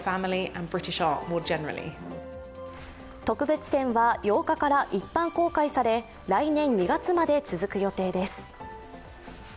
特別展は８日から一般公開され来年２月まで続く予定です。